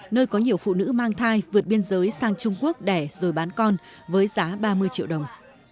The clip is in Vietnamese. nơi có nhiều phụ nữ mang thai vượt biên giới sang trung quốc đẻ rồi bán con với giá ba mươi triệu đồng